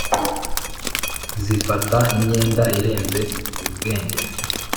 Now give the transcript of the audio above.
zifata imyenda irenze ubwenge